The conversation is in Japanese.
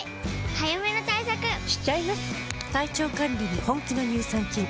早めの対策しちゃいます。